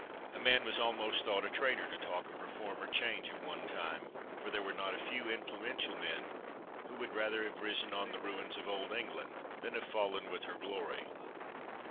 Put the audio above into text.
A man was almost thought a traitor to talk of reform or change at one time, for there were not a few influential men who would rather have risen on the ruins of Old England than have fallen with her glory.